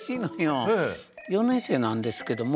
４年生なんですけども。